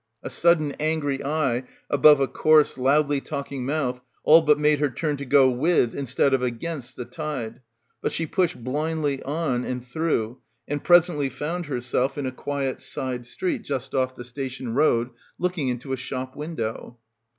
A sudden angry eye above a coarse loudly talking mouth all but made her turn to go with instead of against the tide; but she pushed blindly on — 173 — PILGRIMAGE i and through and presently found herself in a quiet side street just off the station road looking into a shop window.